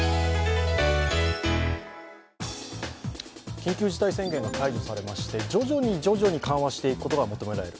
緊急事態宣言が解除されまして徐々に徐々に緩和していくことが求められる。